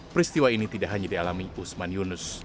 peristiwa ini tidak hanya dialami usman yunus